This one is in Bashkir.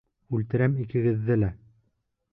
Үлтерәм икегеҙҙе лә!